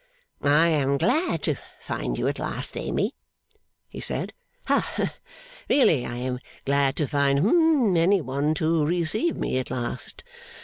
'I am glad to find you at last, Amy,' he said. 'Ha. Really I am glad to find hum any one to receive me at last.